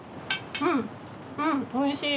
うんおいしい。